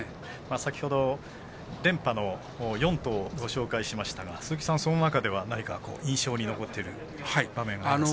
先ほど、連覇の４頭ご紹介しましたが鈴木さん、その中では何か印象に残っている場面ありますか？